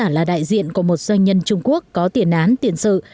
đóng giả là đại diện của một doanh nhân trung quốc có tiền án tiền sự